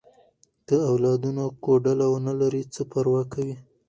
که اولادونه کوډله ونه لري، څه پروا کوي؟